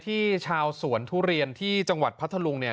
ชาวสวนทุเรียนที่จังหวัดพัทธลุงเนี่ย